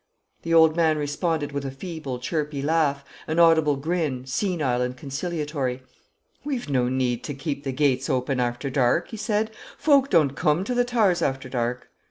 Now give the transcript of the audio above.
The old man responded with a feeble, chirpy laugh, an audible grin, senile and conciliatory. "We've no need to keep t' geates open arter dark," he said; "folk doan't coome to the Toowers arter dark."